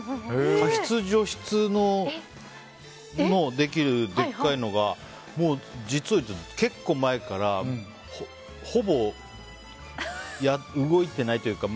加湿・除湿のできるでっかいのがもう、実を言うと結構前からほぼ動いていないというか。